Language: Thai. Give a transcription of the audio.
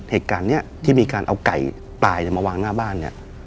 เหตุการณ์นี้ที่มีการเอาไก่ตายมาวางหน้าบ้านเนี่ย